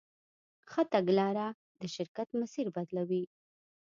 ښه تګلاره د شرکت مسیر بدلوي.